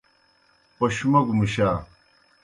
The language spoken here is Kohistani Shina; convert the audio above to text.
پوْش موگو مُشا۔